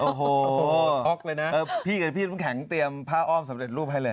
โอ้โหพี่กับพี่มันแข็งเตรียมผ้าอ้อมสำเร็จรูปให้เลย